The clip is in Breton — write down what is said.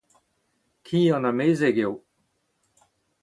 Ki an amezeg eo.